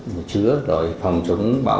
điều chứa rồi phòng chống bão